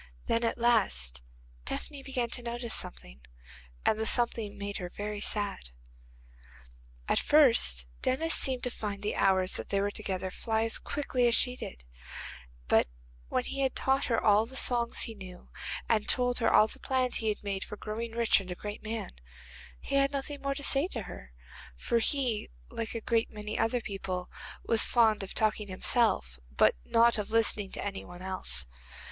Then, at last, Tephany began to notice something, and the something made her very sad. At first, Denis seemed to find the hours that they were together fly as quickly as she did, but when he had taught her all the songs he knew, and told her all the plans he had made for growing rich and a great man, he had nothing more to say to her, for he, like a great many other people, was fond of talking himself, but not of listening to any one else.